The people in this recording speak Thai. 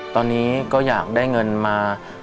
ตอนนี้ก็อยากได้เงินมา